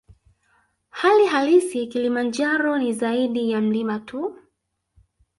Hali halisi Kilimanjaro ni zaidi ya mlima tu